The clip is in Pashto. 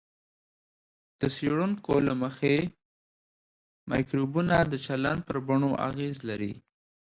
د څېړونکو له مخې، مایکروبونه د چلند پر بڼو اغېز لري.